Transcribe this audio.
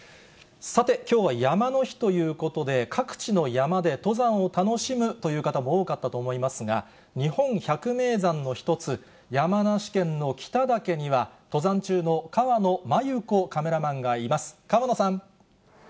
さて、きょうは山の日ということで、各地の山で登山を楽しむという方も多かったと思いますが、日本百名山の一つ、山梨県の北岳には、登山中の川野真由子カメラマンがいます。